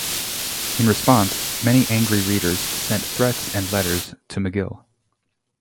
In response, many angry readers sent threats and letters to McGill.